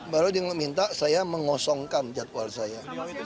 baru diminta saya mengosongkan jadwal saya